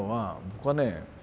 僕はね